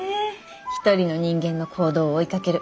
一人の人間の行動を追いかける。